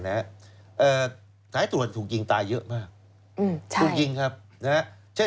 ในตรวจถูกยิงตายเยอะมาก